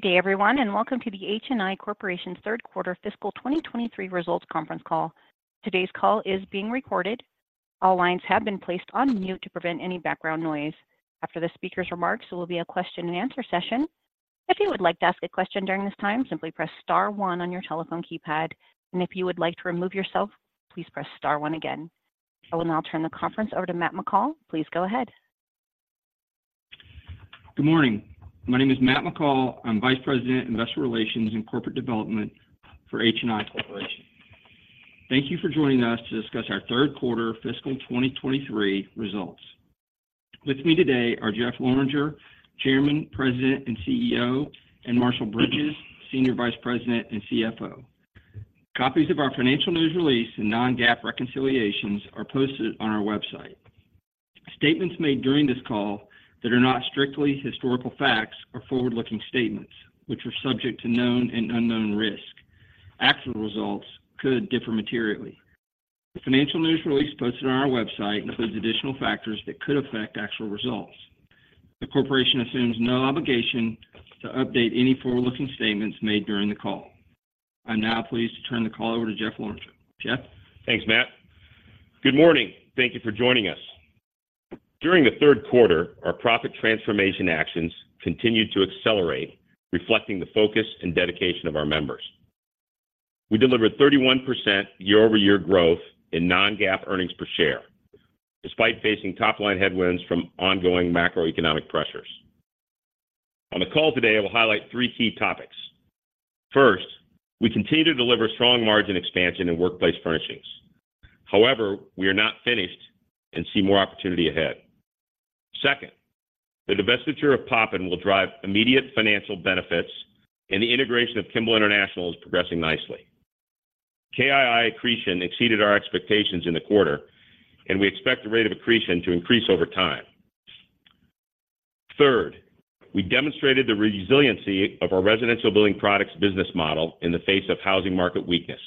Good day, everyone, and welcome to the HNI Corporation third quarter fiscal 2023 results conference call. Today's call is being recorded. All lines have been placed on mute to prevent any background noise. After the speaker's remarks, there will be a question and answer session. If you would like to ask a question during this time, simply press star one on your telephone keypad, and if you would like to remove yourself, please press star one again. I will now turn the conference over to Matt McCall. Please go ahead. Good morning. My name is Matt McCall. I'm Vice President, Investor Relations and Corporate Development for HNI Corporation. Thank you for joining us to discuss our third quarter fiscal 2023 results. With me today are Jeff Lorenger, Chairman, President, and CEO, and Marshall Bridges, Senior Vice President and CFO. Copies of our financial news release and non-GAAP reconciliations are posted on our website. Statements made during this call that are not strictly historical facts or forward-looking statements, which are subject to known and unknown risks. Actual results could differ materially. The financial news release posted on our website includes additional factors that could affect actual results. The corporation assumes no obligation to update any forward-looking statements made during the call. I'm now pleased to turn the call over to Jeff Lorenger. Jeff? Thanks, Matt. Good morning. Thank you for joining us. During the third quarter, our profit transformation actions continued to accelerate, reflecting the focus and dedication of our members. We delivered 31% year-over-year growth in non-GAAP earnings per share, despite facing top-line headwinds from ongoing macroeconomic pressures. On the call today, I will highlight three key topics. First, we continue to deliver strong margin expansion in Workplace Furnishings. However, we are not finished and see more opportunity ahead. Second, the divestiture of Poppin will drive immediate financial benefits, and the integration of Kimball International is progressing nicely. KII accretion exceeded our expectations in the quarter, and we expect the rate of accretion to increase over time. Third, we demonstrated the resiliency of our Residential Building Products business model in the face of housing market weakness.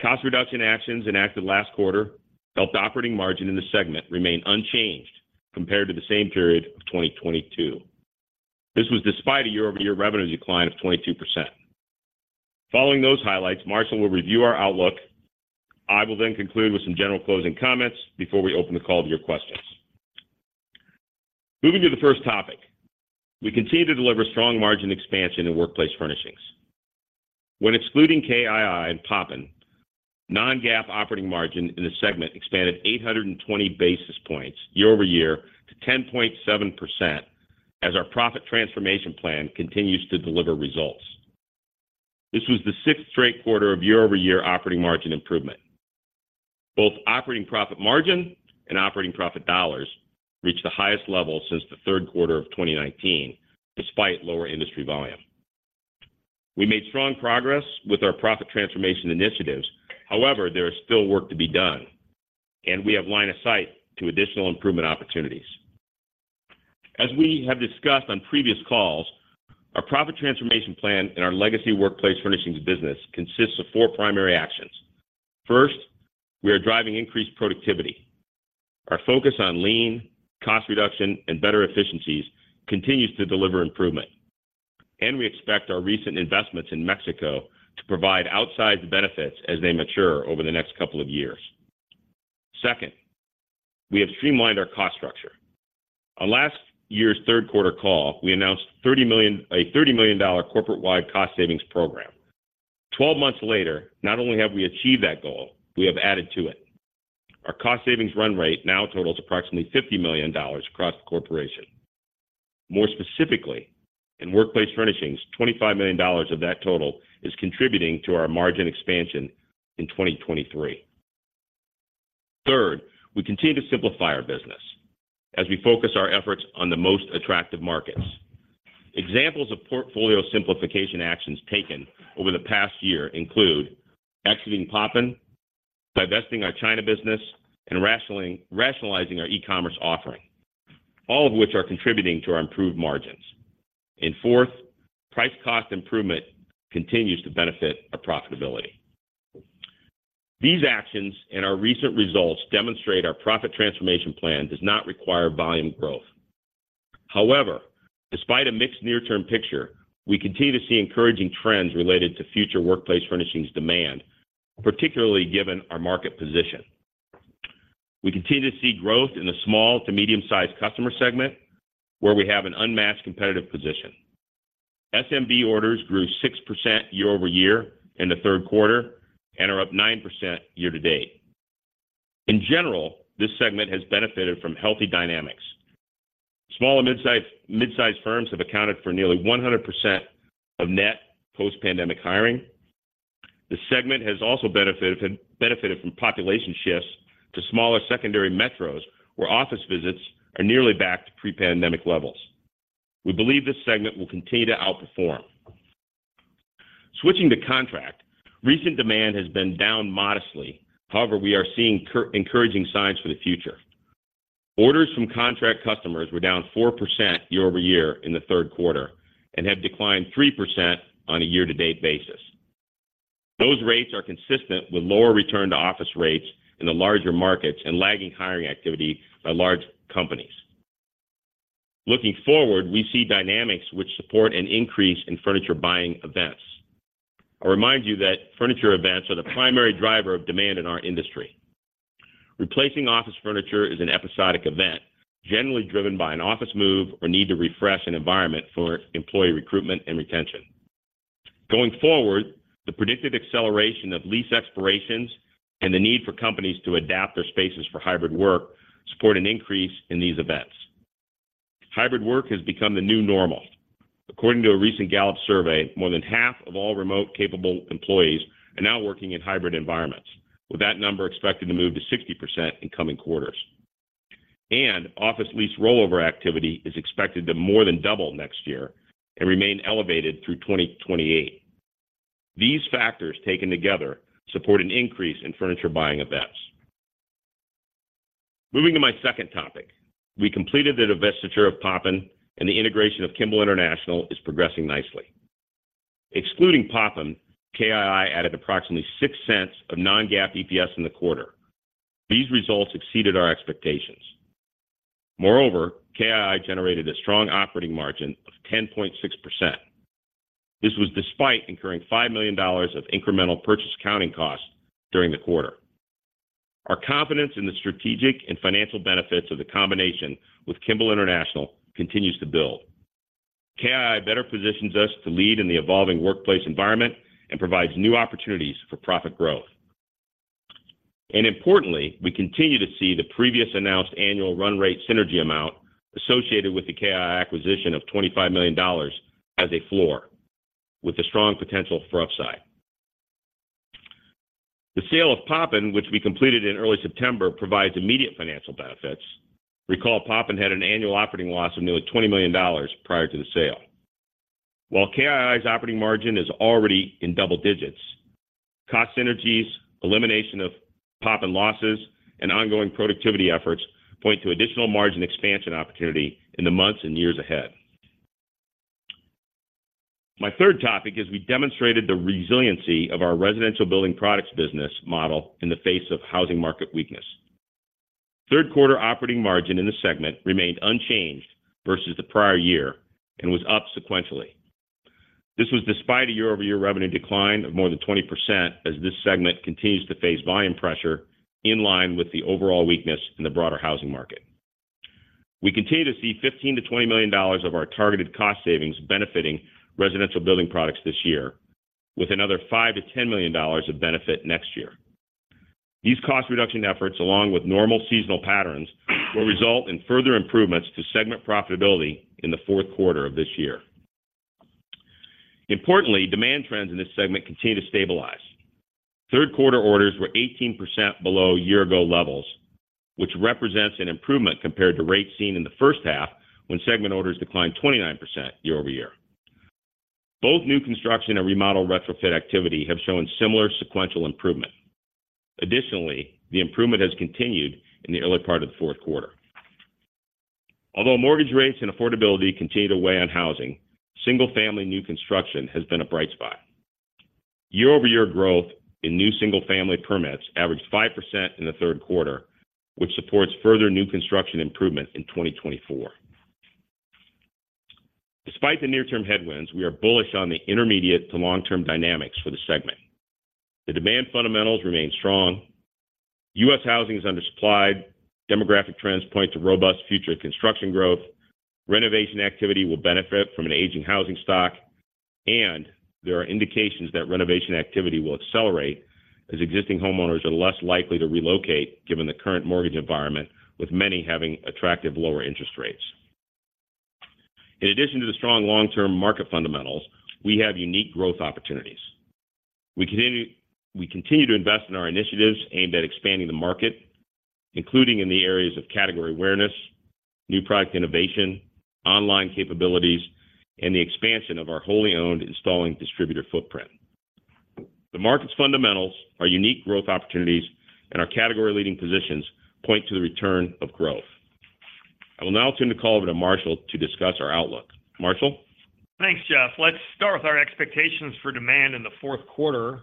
Cost reduction actions enacted last quarter helped operating margin in the segment remain unchanged compared to the same period of 2022. This was despite a year-over-year revenue decline of 22%. Following those highlights, Marshall will review our outlook. I will then conclude with some general closing comments before we open the call to your questions. Moving to the first topic, we continue to deliver strong margin expansion in Workplace Furnishings. When excluding KII and Poppin, non-GAAP operating margin in the segment expanded 820 basis points year-over-year to 10.7% as our profit transformation plan continues to deliver results. This was the sixth straight quarter of year-over-year operating margin improvement. Both operating profit margin and operating profit dollars reached the highest level since the third quarter of 2019, despite lower industry volume. We made strong progress with our profit transformation initiatives. However, there is still work to be done, and we have line of sight to additional improvement opportunities. As we have discussed on previous calls, our profit transformation plan and our legacy Workplace Furnishings business consists of four primary actions. First, we are driving increased productivity. Our focus on lean, cost reduction, and better efficiencies continues to deliver improvement, and we expect our recent investments in Mexico to provide outsized benefits as they mature over the next couple of years. Second, we have streamlined our cost structure. On last year's third quarter call, we announced a $30 million corporate-wide cost savings program. 12 months later, not only have we achieved that goal, we have added to it. Our cost savings run rate now totals approximately $50 million across the corporation. More specifically, in Workplace Furnishings, $25 million of that total is contributing to our margin expansion in 2023. Third, we continue to simplify our business as we focus our efforts on the most attractive markets. Examples of portfolio simplification actions taken over the past year include exiting Poppin, divesting our China business, and rationaling, rationalizing our e-commerce offering, all of which are contributing to our improved margins. And fourth, price cost improvement continues to benefit our profitability. These actions and our recent results demonstrate our profit transformation plan does not require volume growth. However, despite a mixed near-term picture, we continue to see encouraging trends related to future Workplace Furnishings demand, particularly given our market position. We continue to see growth in the small to medium-sized customer segment, where we have an unmatched competitive position. SMB orders grew 6% year-over-year in the third quarter and are up 9% year-to-date. In general, this segment has benefited from healthy dynamics. Small and midsize firms have accounted for nearly 100% of net post-pandemic hiring. The segment has also benefited from population shifts to smaller secondary metros, where office visits are nearly back to pre-pandemic levels. We believe this segment will continue to outperform. Switching to contract, recent demand has been down modestly. However, we are seeing encouraging signs for the future. Orders from contract customers were down 4% year-over-year in the third quarter and have declined 3% on a year-to-date basis. Those rates are consistent with lower return to office rates in the larger markets and lagging hiring activity by large companies. Looking forward, we see dynamics which support an increase in furniture buying events. I'll remind you that furniture events are the primary driver of demand in our industry. Replacing office furniture is an episodic event, generally driven by an office move or need to refresh an environment for employee recruitment and retention. Going forward, the predicted acceleration of lease expirations and the need for companies to adapt their spaces for hybrid work support an increase in these events. Hybrid work has become the new normal. According to a recent Gallup survey, more than half of all remote-capable employees are now working in hybrid environments, with that number expected to move to 60% in coming quarters. And office lease rollover activity is expected to more than double next year and remain elevated through 2028. These factors, taken together, support an increase in furniture buying events. Moving to my second topic, we completed the divestiture of Poppin, and the integration of Kimball International is progressing nicely. Excluding Poppin, KII added approximately $0.06 of non-GAAP EPS in the quarter. These results exceeded our expectations. Moreover, KII generated a strong operating margin of 10.6%. This was despite incurring $5 million of incremental purchase accounting costs during the quarter. Our confidence in the strategic and financial benefits of the combination with Kimball International continues to build. KII better positions us to lead in the evolving workplace environment and provides new opportunities for profit growth. And importantly, we continue to see the previous announced annual run rate synergy amount associated with the KII acquisition of $25 million as a floor, with a strong potential for upside. The sale of Poppin, which we completed in early September, provides immediate financial benefits. Recall, Poppin had an annual operating loss of nearly $20 million prior to the sale. While KII's operating margin is already in double digits, cost synergies, elimination of Poppin losses, and ongoing productivity efforts point to additional margin expansion opportunity in the months and years ahead. My third topic is we demonstrated the resiliency of our Residential Building Products business model in the face of housing market weakness. Third quarter operating margin in this segment remained unchanged versus the prior year and was up sequentially. This was despite a year-over-year revenue decline of more than 20%, as this segment continues to face volume pressure in line with the overall weakness in the broader housing market. We continue to see $15 million-$20 million of our targeted cost savings benefiting Residential Building Products this year, with another $5 million-$10 million of benefit next year. These cost reduction efforts, along with normal seasonal patterns, will result in further improvements to segment profitability in the fourth quarter of this year. Importantly, demand trends in this segment continue to stabilize. Third quarter orders were 18% below year-ago levels, which represents an improvement compared to rates seen in the first half, when segment orders declined 29% year-over-year. Both new construction and remodel retrofit activity have shown similar sequential improvement. Additionally, the improvement has continued in the early part of the fourth quarter. Although mortgage rates and affordability continue to weigh on housing, single-family new construction has been a bright spot. Year-over-year growth in new single-family permits averaged 5% in the third quarter, which supports further new construction improvement in 2024. Despite the near-term headwinds, we are bullish on the intermediate to long-term dynamics for the segment. The demand fundamentals remain strong. U.S. housing is undersupplied. Demographic trends point to robust future construction growth. Renovation activity will benefit from an aging housing stock, and there are indications that renovation activity will accelerate as existing homeowners are less likely to relocate, given the current mortgage environment, with many having attractive lower interest rates. In addition to the strong long-term market fundamentals, we have unique growth opportunities. We continue to invest in our initiatives aimed at expanding the market, including in the areas of category awareness, new product innovation, online capabilities, and the expansion of our wholly owned installing distributor footprint. The market's fundamentals, our unique growth opportunities, and our category-leading positions point to the return of growth. I will now turn the call over to Marshall to discuss our outlook. Marshall? Thanks, Jeff. Let's start with our expectations for demand in the fourth quarter.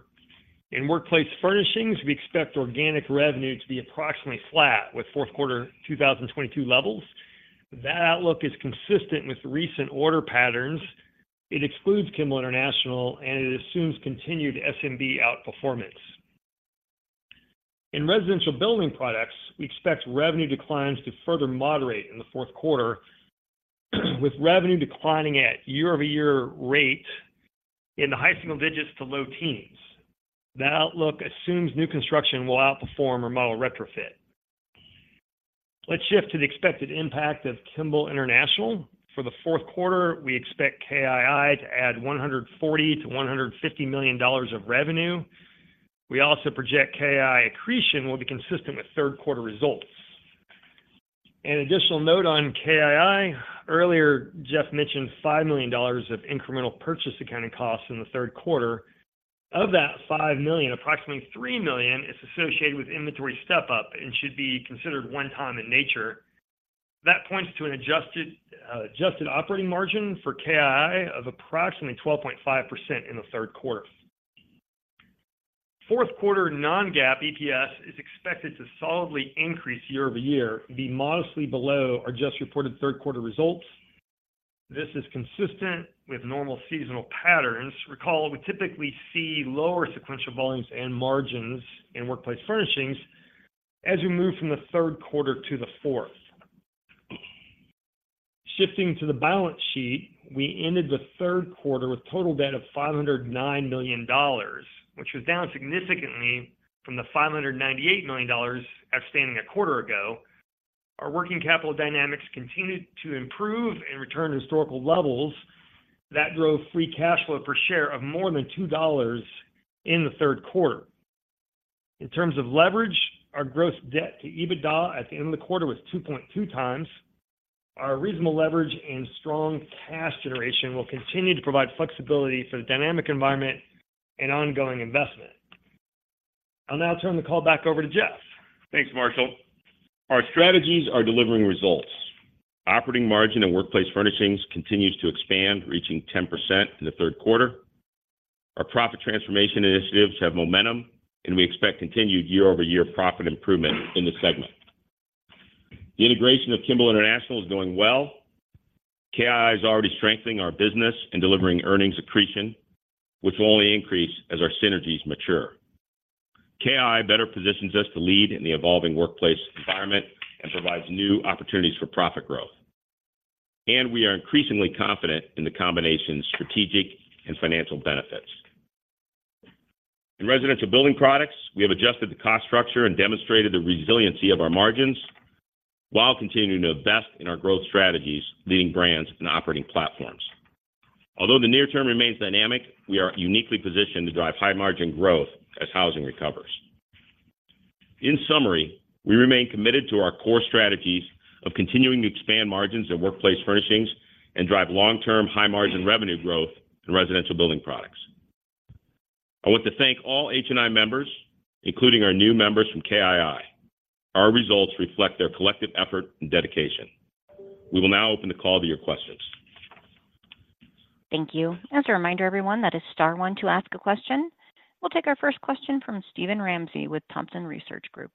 In Workplace Furnishings, we expect organic revenue to be approximately flat with fourth quarter 2022 levels. That outlook is consistent with recent order patterns. It excludes Kimball International, and it assumes continued SMB outperformance. In Residential Building Products, we expect revenue declines to further moderate in the fourth quarter, with revenue declining at year-over-year rate in the high single digits to low teens. That outlook assumes new construction will outperform or remodel retrofit. Let's shift to the expected impact of Kimball International. For the fourth quarter, we expect KII to add $140 million-$150 million of revenue. We also project KI accretion will be consistent with third quarter results. An additional note on KII: earlier, Jeff mentioned $5 million of incremental purchase accounting costs in the third quarter. Of that $5 million, approximately $3 million is associated with inventory step-up and should be considered one-time in nature. That points to an adjusted, adjusted operating margin for KI of approximately 12.5% in the third quarter. Fourth quarter non-GAAP EPS is expected to solidly increase year-over-year and be modestly below our just reported third quarter results. This is consistent with normal seasonal patterns. Recall, we typically see lower sequential volumes and margins in Workplace Furnishings as we move from the third quarter to the fourth. Shifting to the balance sheet, we ended the third quarter with total debt of $509 million, which was down significantly from the $598 million outstanding a quarter ago. Our working capital dynamics continued to improve and return to historical levels that drove free cash flow per share of more than $2 in the third quarter. In terms of leverage, our gross debt to EBITDA at the end of the quarter was 2.2x. Our reasonable leverage and strong cash generation will continue to provide flexibility for the dynamic environment and ongoing investment. I'll now turn the call back over to Jeff. Thanks, Marshall. Our strategies are delivering results. Operating margin and Workplace Furnishings continues to expand, reaching 10% in the third quarter. Our profit transformation initiatives have momentum, and we expect continued year-over-year profit improvement in the segment. The integration of Kimball International is going well. KI is already strengthening our business and delivering earnings accretion, which will only increase as our synergies mature. KI better positions us to lead in the evolving workplace environment and provides new opportunities for profit growth. We are increasingly confident in the combination's strategic and financial benefits. In Residential Building Products, we have adjusted the cost structure and demonstrated the resiliency of our margins while continuing to invest in our growth strategies, leading brands, and operating platforms. Although the near term remains dynamic, we are uniquely positioned to drive high-margin growth as housing recovers. In summary, we remain committed to our core strategies of continuing to expand margins at Workplace Furnishings and drive long-term, high-margin revenue growth in Residential Building Products. I want to thank all HNI members, including our new members from KI. Our results reflect their collective effort and dedication. We will now open the call to your questions. Thank you. As a reminder, everyone, that is star one to ask a question. We'll take our first question from Steven Ramsey with Thompson Research Group.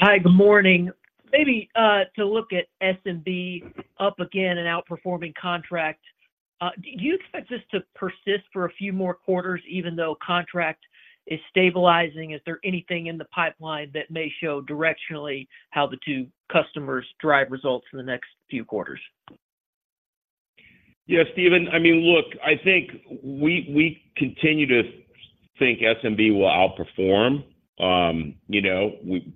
Hi, good morning. Maybe, to look at SMB up again and outperforming contract, do you expect this to persist for a few more quarters, even though contract is stabilizing? Is there anything in the pipeline that may show directionally how the two customers drive results in the next few quarters? Yeah, Steven, I mean, look, I think we continue to think SMB will outperform. You know,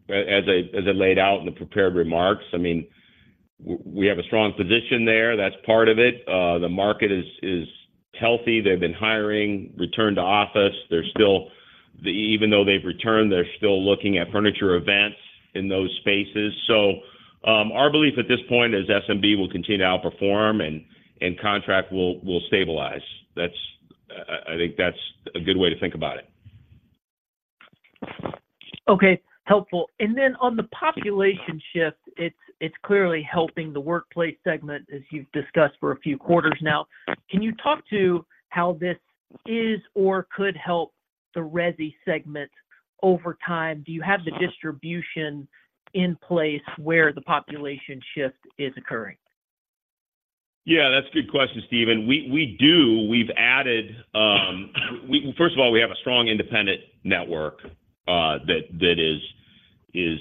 as I laid out in the prepared remarks, I mean, we have a strong position there. That's part of it. The market is healthy. They've been hiring, return to office. They're still... Even though they've returned, they're still looking at furniture events in those spaces. So, our belief at this point is SMB will continue to outperform and contract will stabilize. That's, I think that's a good way to think about it. Okay, helpful. And then on the population shift, it's clearly helping the workplace segment, as you've discussed for a few quarters now. Can you talk to how this is or could help the Resi segment over time? Do you have the distribution in place where the population shift is occurring? Yeah, that's a good question, Steven. We do. We've added, we first of all, we have a strong independent network, that is,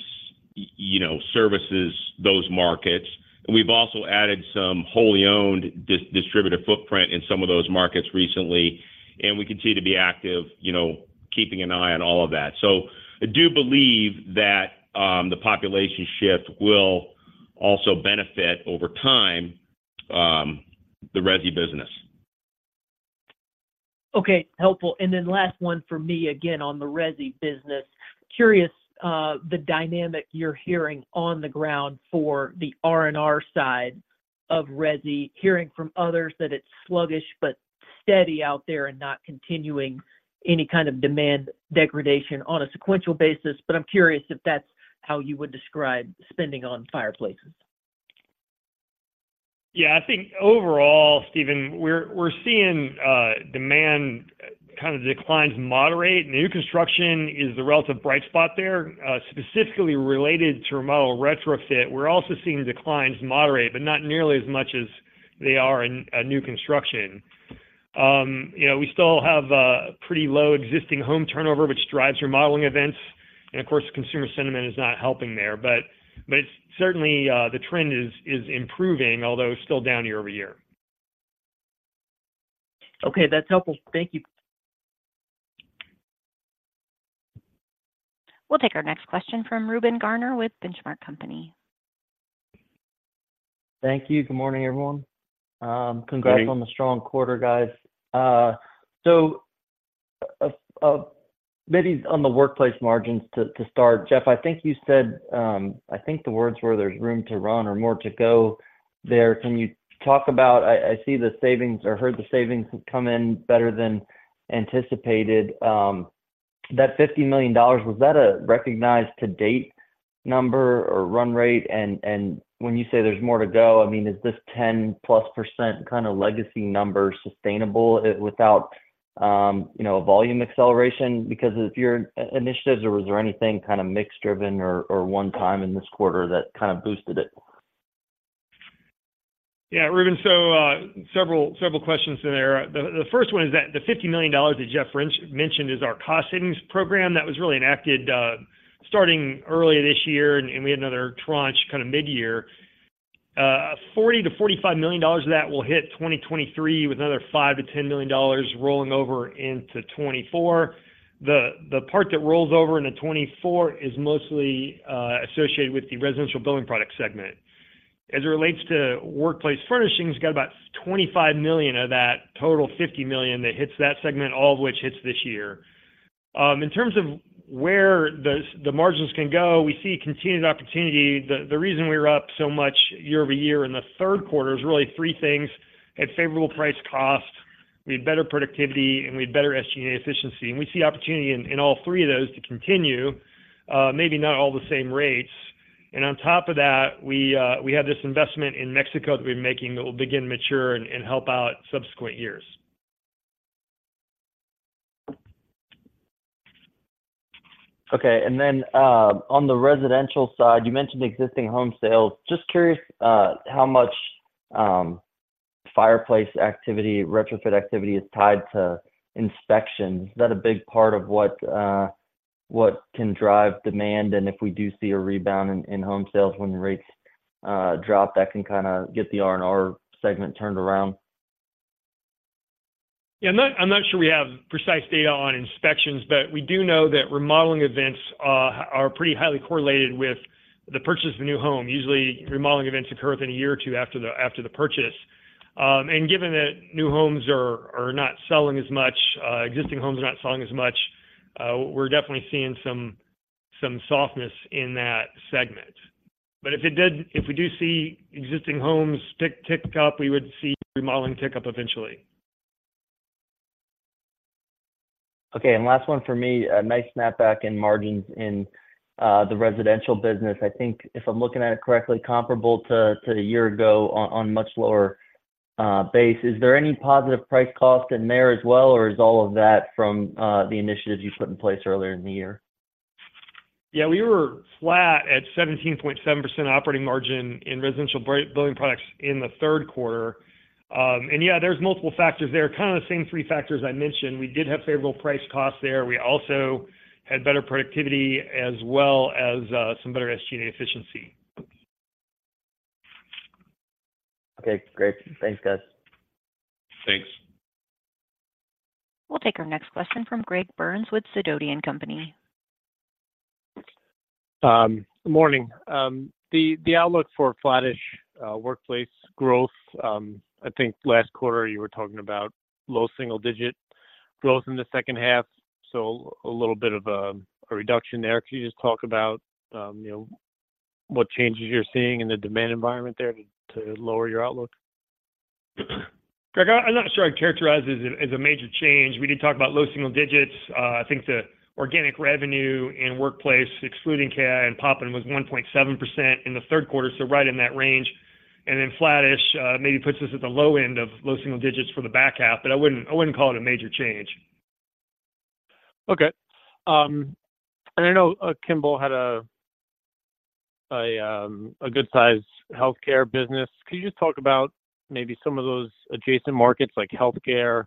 you know, services those markets. And we've also added some wholly owned distributor footprint in some of those markets recently, and we continue to be active, you know, keeping an eye on all of that. So I do believe that the population shift will also benefit over time, the Resi business. Okay, helpful. Then last one for me, again, on the Resi business. Curious, the dynamic you're hearing on the ground for the R&R side of Resi. Hearing from others that it's sluggish, but steady out there and not continuing any kind of demand degradation on a sequential basis. But I'm curious if that's how you would describe spending on fireplaces. Yeah, I think overall, Steven, we're seeing demand kind of declines moderate. New construction is the relative bright spot there, specifically related to remodel retrofit. We're also seeing declines moderate, but not nearly as much as they are in new construction. You know, we still have a pretty low existing home turnover, which drives remodeling events, and of course, consumer sentiment is not helping there. But certainly, the trend is improving, although still down year over year. Okay, that's helpful. Thank you. We'll take our next question from Ruben Garner with Benchmark Company. Thank you. Good morning, everyone. Good morning. Congrats on the strong quarter, guys. So, maybe on the workplace margins to start, Jeff, I think you said, I think the words were, "There's room to run or more to go there." Can you talk about... I see the savings or heard the savings have come in better than anticipated. So, that $50 million, was that a recognized to date number or run rate? And when you say there's more to go, I mean, is this 10%+ kind of legacy number sustainable without, you know, a volume acceleration? Because of your initiatives, or was there anything kind of mix driven or one time in this quarter that kind of boosted it? Yeah, Ruben, so several questions in there. The first one is that the $50 million that Jeff Lorenger mentioned is our cost savings program that was really enacted starting earlier this year, and we had another tranche kind of mid-year. $40 million-$45 million dollars of that will hit 2023, with another $5 million-$10 million rolling over into 2024. The part that rolls over into 2024 is mostly associated with the Residential Building Product segment. As it relates to Workplace Furnishings, got about $25 million of that total $50 million that hits that segment, all of which hits this year. In terms of where the margins can go, we see continued opportunity. The reason we were up so much year-over-year in the third quarter is really three things: had favorable price cost, we had better productivity, and we had better SG&A efficiency. And we see opportunity in all three of those to continue, maybe not all the same rates. And on top of that, we have this investment in Mexico that we're making that will begin to mature and help out subsequent years. Okay. And then, on the residential side, you mentioned existing home sales. Just curious, how much, fireplace activity, retrofit activity is tied to inspections. Is that a big part of what, what can drive demand, and if we do see a rebound in, in home sales when the rates, drop, that can kind of get the R&R segment turned around? Yeah, I'm not sure we have precise data on inspections, but we do know that remodeling events are pretty highly correlated with the purchase of a new home. Usually, remodeling events occur within a year or two after the purchase. Given that new homes are not selling as much, existing homes are not selling as much, we're definitely seeing some softness in that segment. But if we do see existing homes tick up, we would see remodeling tick up eventually. Okay, and last one for me. A nice snapback in margins in the residential business. I think if I'm looking at it correctly, comparable to a year ago on much lower base. Is there any positive price cost in there as well, or is all of that from the initiatives you put in place earlier in the year? Yeah, we were flat at 17.7% operating margin in Residential Building Products in the third quarter. Yeah, there's multiple factors there, kind of the same three factors I mentioned. We did have favorable price costs there. We also had better productivity, as well as some better SG&A efficiency. Okay, great. Thanks, guys. Thanks. We'll take our next question from Greg Burns with Sidoti & Company. Good morning. The outlook for flattish workplace growth, I think last quarter you were talking about low single digit growth in the second half, so a little bit of a reduction there. Can you just talk about, you know, what changes you're seeing in the demand environment there to lower your outlook? Greg, I'm not sure I'd characterize it as a major change. We did talk about low single digits. I think the organic revenue in workplace, excluding KI and Poppin, was 1.7% in the third quarter, so right in that range. And then flattish, maybe puts us at the low end of low single digits for the back half, but I wouldn't call it a major change. Okay. And I know Kimball had a good-sized healthcare business. Could you just talk about maybe some of those adjacent markets, like healthcare,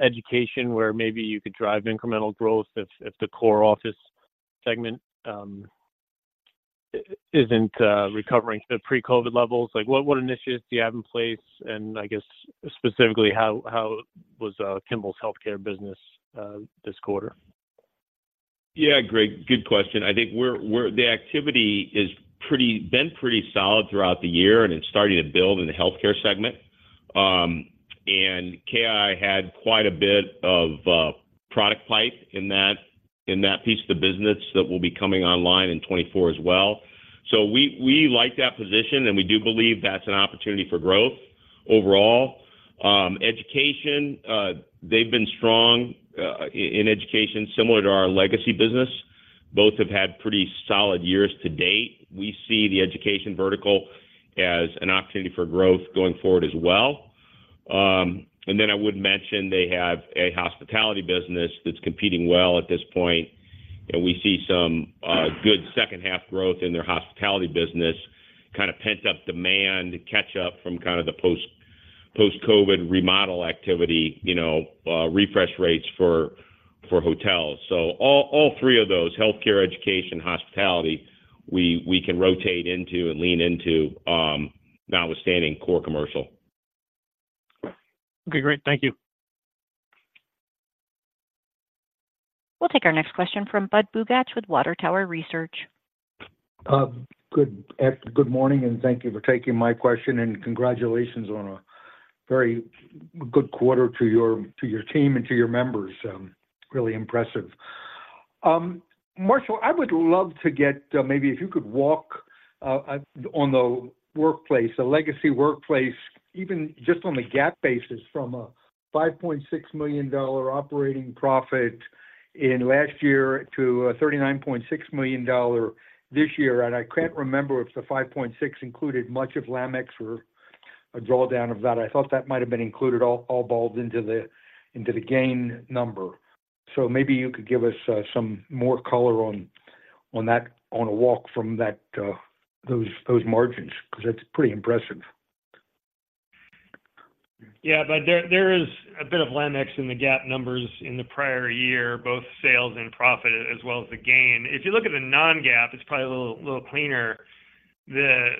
education, where maybe you could drive incremental growth if the core office segment isn't recovering to pre-COVID levels? Like, what initiatives do you have in place? And I guess, specifically, how was Kimball's healthcare business this quarter? Yeah, Greg, good question. I think the activity has been pretty solid throughout the year, and it's starting to build in the healthcare segment. And KI had quite a bit of product pipe in that piece of the business that will be coming online in 2024 as well. So we like that position, and we do believe that's an opportunity for growth overall. Education, they've been strong in education, similar to our legacy business. Both have had pretty solid years to date. We see the education vertical as an opportunity for growth going forward as well. And then I would mention they have a hospitality business that's competing well at this point, and we see some good second-half growth in their hospitality business. Kind of pent-up demand to catch up from kind of the post, post-COVID remodel activity, you know, refresh rates for, for hotels. So all, all three of those, healthcare, education, hospitality, we, we can rotate into and lean into, notwithstanding core commercial. Okay, great. Thank you. We'll take our next question from Budd Bugatch with Water Tower Research. Good morning, and thank you for taking my question, and congratulations on a very good quarter to your team and to your members. Really impressive. Marshall, I would love to get, maybe if you could walk, on, on the workplace, the legacy workplace, even just on the GAAP basis, from a $5.6 million operating profit in last year to a $39.6 million this year. And I can't remember if the $5.6 included much of Lamex or a drawdown of that. I thought that might have been included all, all balled into the, into the gain number. So maybe you could give us, some more color on, on that, on a walk from that, those, those margins, 'cause that's pretty impressive. Yeah, but there is a bit of Lamex in the GAAP numbers in the prior year, both sales and profit, as well as the gain. If you look at the non-GAAP, it's probably a little cleaner. The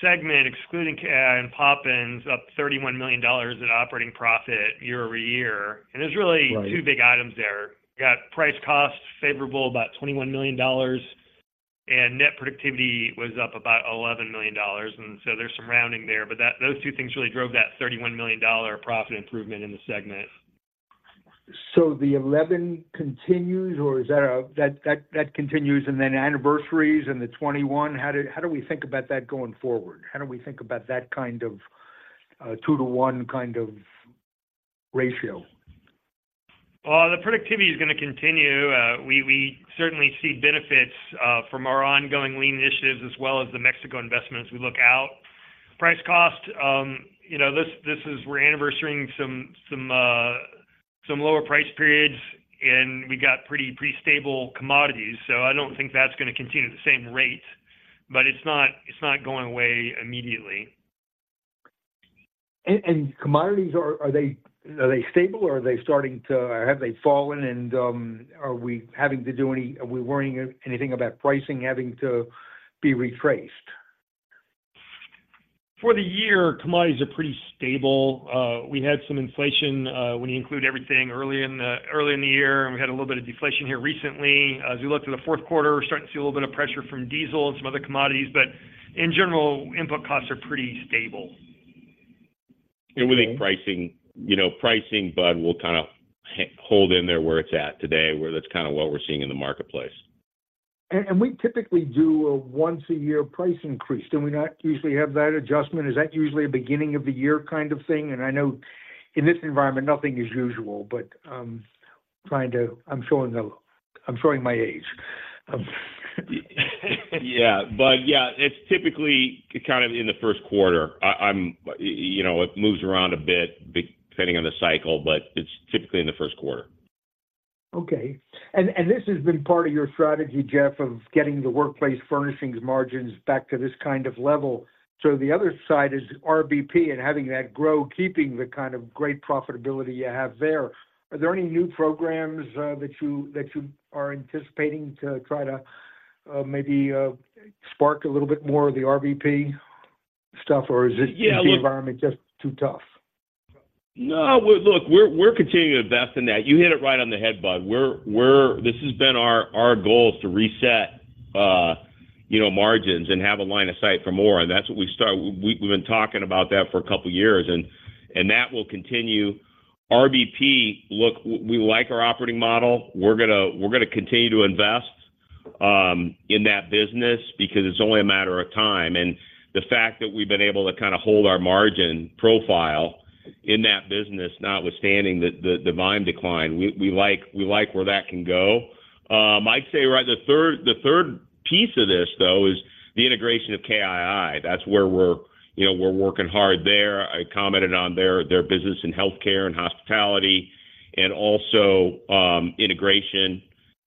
segment, excluding and Poppin, up $31 million in operating profit year-over-year. Right. There's really two big items there. Got price costs favorable, about $21 million, and net productivity was up about $11 million, and so there's some rounding there, but that, those two things really drove that $31 million dollar profit improvement in the segment. So the 11 continues, or is that a... That, that, that continues, and then anniversaries and the 21, how do, how do we think about that going forward? How do we think about that kind of, 2:1 kind of ratio? Well, the productivity is gonna continue. We certainly see benefits from our ongoing lean initiatives as well as the Mexico investments we look out. Price cost, you know, this is we're anniversarying some lower price periods, and we got pretty stable commodities, so I don't think that's gonna continue at the same rate, but it's not going away immediately. Commodities, are they stable, or are they starting to, or have they fallen, and are we having to do any, are we worrying anything about pricing having to be retraced? For the year, commodities are pretty stable. We had some inflation when you include everything early in the year, and we had a little bit of deflation here recently. As we look to the fourth quarter, we're starting to see a little bit of pressure from diesel and some other commodities, but in general, input costs are pretty stable. With the pricing, you know, pricing, Budd, will kinda hold in there where it's at today, where that's kinda what we're seeing in the marketplace. We typically do a once-a-year price increase. Do we not usually have that adjustment? Is that usually a beginning-of-the-year kind of thing? And I know in this environment, nothing is usual, but trying to... I'm showing my age. Yeah. But yeah, it's typically kind of in the first quarter. I'm, you know, it moves around a bit, depending on the cycle, but it's typically in the first quarter. Okay. And this has been part of your strategy, Jeff, of getting the Workplace Furnishings margins back to this kind of level. So the other side is RBP and having that grow, keeping the kind of great profitability you have there. Are there any new programs that you are anticipating to try to maybe spark a little bit more of the RBP stuff, or is it- Yeah, well- - the environment just too tough? No, well, look, we're continuing to invest in that. You hit it right on the head, Budd. We're—this has been our goal is to reset, you know, margins and have a line of sight for more. And that's what we start. We've been talking about that for a couple of years, and that will continue. RBP, look, we like our operating model. We're gonna continue to invest in that business because it's only a matter of time. And the fact that we've been able to kinda hold our margin profile in that business, notwithstanding the demand decline, we like where that can go. I'd say the third piece of this, though, is the integration of KII. That's where we're, you know, we're working hard there. I commented on their, their business in healthcare and hospitality, and also, integration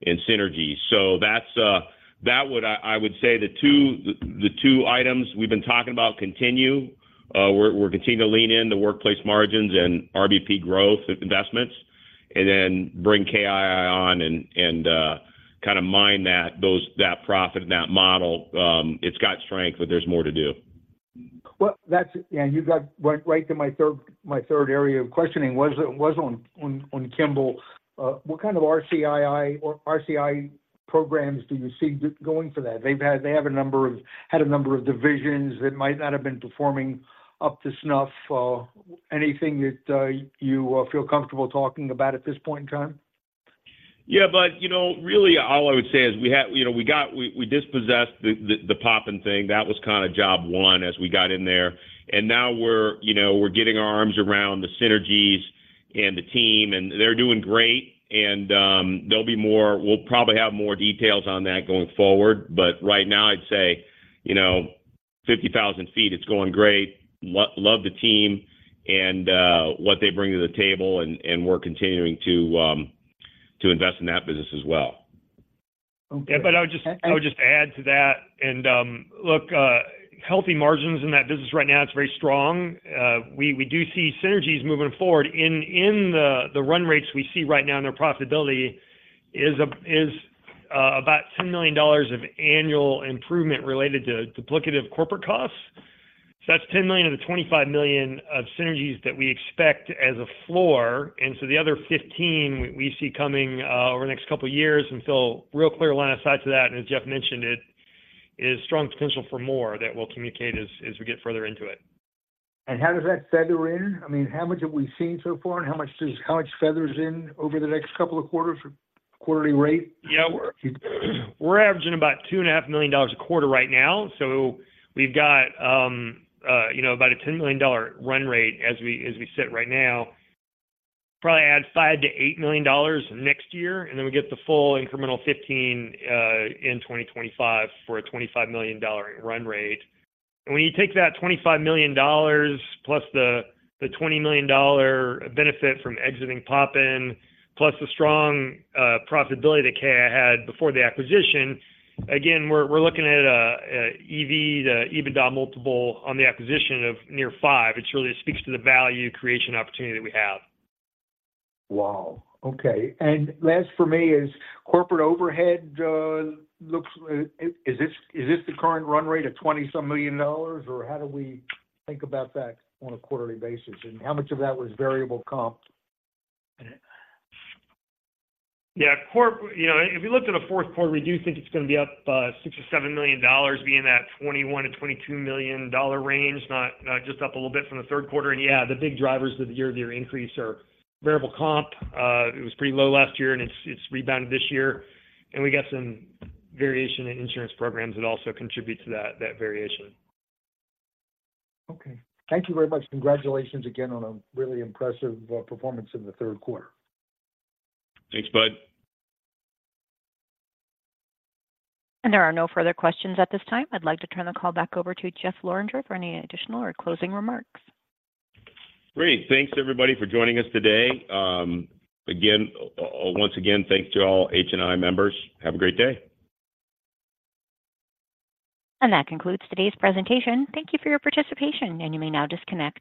and synergy. So that's, I, I would say the two, the two items we've been talking about continue. We're, we're continuing to lean in to workplace margins and RBP growth investments, and then bring KII on and, and, kinda mine that, those, that profit and that model. It's got strength, but there's more to do. Well, that's... Yeah, you got right to my third area of questioning was on Kimball. What kind of RCI programs do you see going for that? They have had a number of divisions that might not have been performing up to snuff. Anything that you feel comfortable talking about at this point in time? Yeah, Budd, you know, really, all I would say is we have, you know, we dispossessed the Poppin thing. That was kinda job one as we got in there. And now we're, you know, we're getting our arms around the synergies and the team, and they're doing great. And there'll be more. We'll probably have more details on that going forward, but right now I'd say, you know, 50,000 feet, it's going great. Love the team and what they bring to the table, and we're continuing to invest in that business as well. Okay. Yeah, but I would just- I- I would just add to that, and, look, healthy margins in that business right now, it's very strong. We do see synergies moving forward. In the run rates we see right now, and their profitability is about $10 million of annual improvement related to duplicative corporate costs. So that's $10 million of the $25 million of synergies that we expect as a floor, and so the other $15 million we see coming over the next couple of years. And so, real clear line of sight to that, and as Jeff mentioned, it is strong potential for more that we'll communicate as we get further into it. How does that factor in? I mean, how much have we seen so far, and how much does, how much factors in over the next couple of quarters for quarterly rate? Yeah, we're, we're averaging about $2.5 million a quarter right now. So we've got, you know, about a $10 million run rate as we, as we sit right now. Probably add $5 million-$8 million next year, and then we get the full incremental 15 in 2025 for a $25 million run rate. And when you take that $25 million plus the, the $20 million benefit from exiting Poppin, plus the strong profitability that KII had before the acquisition, again, we're, we're looking at a, a EV to EBITDA multiple on the acquisition of near 5. It really speaks to the value creation opportunity that we have. Wow! Okay. And last for me is corporate overhead, is this, is this the current run rate of $20-some million, or how do we think about that on a quarterly basis? And how much of that was variable comp? Yeah, you know, if you looked at a fourth quarter, we do think it's gonna be up $6-$7 million, being that $21 million-$22 million range, not just up a little bit from the third quarter. Yeah, the big drivers of the year-over-year increase are variable comp. It was pretty low last year, and it's rebounded this year. We got some variation in insurance programs that also contribute to that variation. Okay. Thank you very much. Congratulations again on a really impressive performance in the third quarter. Thanks, Budd. There are no further questions at this time. I'd like to turn the call back over to Jeff Lorenger for any additional or closing remarks. Great. Thanks, everybody, for joining us today. Again, once again, thanks to all HNI members. Have a great day. That concludes today's presentation. Thank you for your participation, and you may now disconnect.